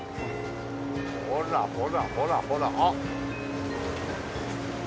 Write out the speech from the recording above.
ほらほらほらほらあっ。